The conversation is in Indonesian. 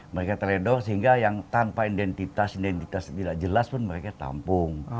mereka terledor sehingga yang tanpa identitas identitas tidak jelas pun mereka tampung